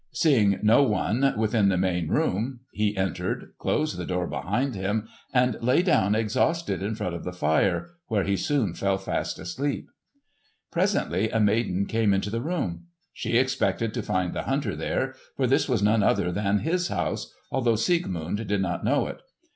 Seeing no one within the main room he entered, closed the door behind him, and lay down exhausted in front of the fire, where he soon fell fast asleep. Presently a maiden came into the room. She expected to find the hunter there, for this was none other than his house, although Siegmund did not know it.